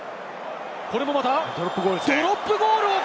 これもまたドロップゴールですね。